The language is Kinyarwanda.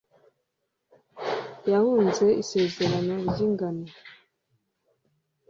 yahunze isezerano ry'ingano;